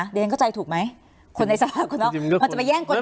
อย่างเองเข้าใจถูกไหมคนในสารของน้องจะไปแย่งกลไก